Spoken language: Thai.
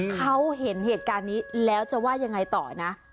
เขาเห็นเหตุการณ์นี้แล้วจะว่ายังไงต่อนะ